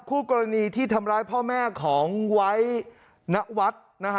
คู่กรณีที่ทำร้ายพ่อแม่ของไว้นวัทร์